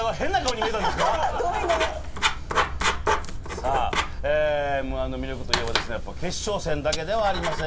さあ、Ｍ−１の魅力といえば、決勝戦だけではありません。